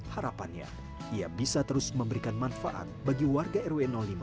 harapannya ia bisa terus memberikan manfaat bagi warga rw lima